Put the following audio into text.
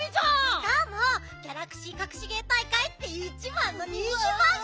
しかも「ギャラクシーかくし芸大会」っていちばんの人気ばんぐみよ！